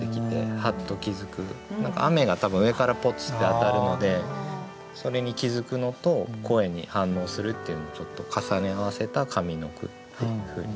何か雨が多分上からポツッて当たるのでそれに気付くのと声に反応するっていうのをちょっと重ね合わせた上の句っていうふうにしてみました。